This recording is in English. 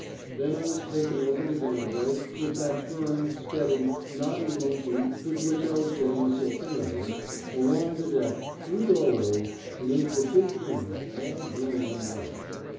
Then I was taken over the gangway with that firm, steady, nodding motion with which I was getting so familiar, along the deck, through doorways, and into a big room, all green and white.